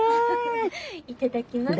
いただきます。